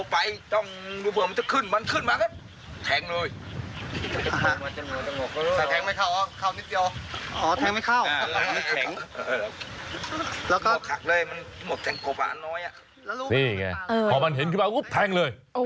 พอมันเห็นที่บ้านเอ๊ะแทงเลย